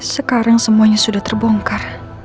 sekarang semuanya sudah terbongkar